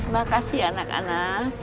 makasih anak anak